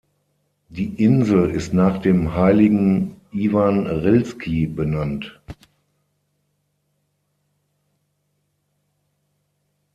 Die Insel ist nach dem heiligen Iwan Rilski benannt.